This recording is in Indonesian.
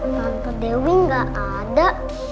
tante dewi nggak ada